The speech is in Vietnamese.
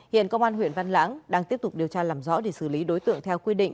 hiện công an huyện văn lãng đang tiếp tục điều tra làm rõ để xử lý đối tượng theo quy định